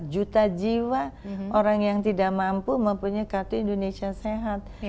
sembilan puluh dua empat juta jiwa orang yang tidak mampu mempunyai kartu indonesia sehat